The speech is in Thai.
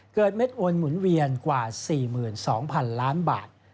เม็ดโอนหมุนเวียนกว่า๔๒๐๐๐ล้านบาท